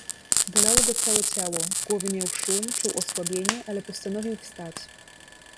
"Bolało go całe ciało, w głowie miał szum, czuł osłabienie, ale postanowił wstać."